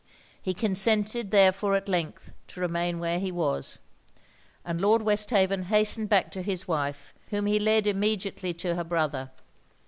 He consented therefore at length to remain where he was; and Lord Westhaven hastened back to his wife, whom he led immediately to her brother.